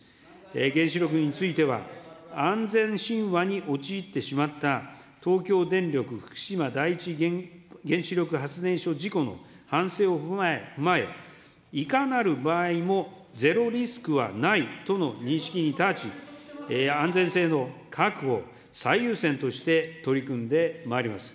原子力については、安全神話に陥ってしまった、東京電力福島第一原子力発電所事故の反省を踏まえ、いかなる場合もゼロリスクはないとの認識に立ち、安全性の確保を最優先として取り組んでまいります。